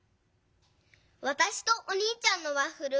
わたしとおにいちゃんのワッフル